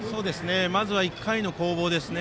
まずは１回の攻防ですね。